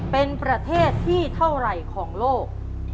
เป็นประเทศที่เท่าไหร่ของโลก